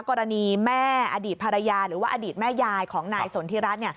กรณีแม่อดีตภรรยาหรือว่าอดีตแม่ยายของนายสนทิรัฐ